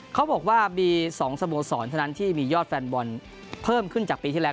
เขาบอกว่ามี๒สโมสรเท่านั้นที่มียอดแฟนบอลเพิ่มขึ้นจากปีที่แล้ว